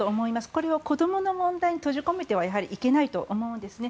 これは子どもの問題に閉じ込めてはいけないと思うんですね。